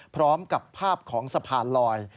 พร้อมกับภาพของสะพานลอย